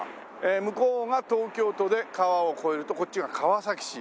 向こうが東京都で川を越えるとこっちが川崎市。